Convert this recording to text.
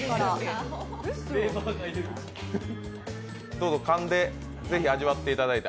どうぞ、かんでぜひ味わっていただいて。